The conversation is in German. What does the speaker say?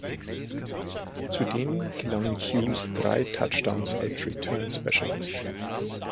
Zudem gelangen Hughes drei Touchdowns als Return Specialist.